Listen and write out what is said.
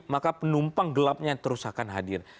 maka penumpang gelapnya terus akan hadir